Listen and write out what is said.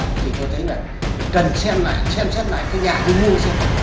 cần xem lại xem xét lại nhà cứ mua xem lại